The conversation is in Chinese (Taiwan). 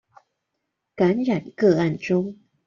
感染個案中